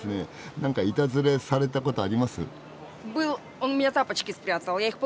何かいたずらされたことあります？